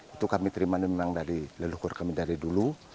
itu kami terima memang dari leluhur kami dari dulu